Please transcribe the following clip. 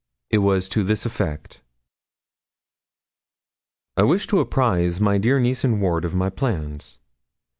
It was to this effect: 'I wish to apprise my dear niece and ward of my plans.